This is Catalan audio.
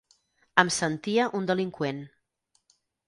Em sentia un delinqüent.